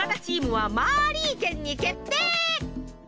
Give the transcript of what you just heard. チームはマーリー軒に決定！